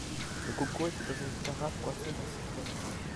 Le coco était dans une carafe coiffée d'un citron.